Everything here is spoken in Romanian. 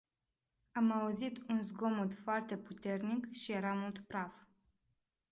Am auzit un zgomot foarte puternic și era mult praf.